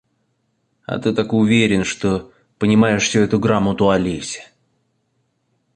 А ты так уверен, что понимаешь всю эту грамоту о лесе.